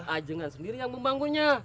ajengan sendiri yang membangunnya